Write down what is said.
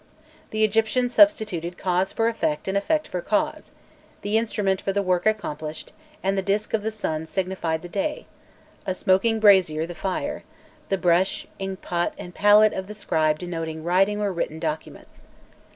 The Egyptians substituted cause for effect and effect for cause, the instrument for the work accomplished, and the disc of the sun signified the day; a smoking brazier the fire: the brush, inkpot, and palette of the scribe denoted writing or written documents.